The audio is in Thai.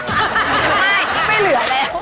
ไม่ไม่เหลือแล้ว